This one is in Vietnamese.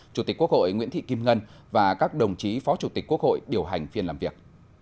chủ tịch quốc hội nguyễn thị kim ngân và các đồng chí phó chủ tịch quốc hội điều hành phiên làm việc